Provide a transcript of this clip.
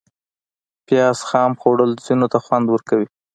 پیاز خام خوړل ځینو ته خوند ورکوي